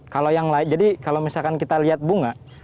kalau yang lain jadi kalau misalkan kita lihat bunga